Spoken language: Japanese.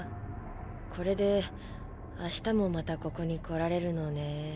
これであしたもまたここに来られるのね。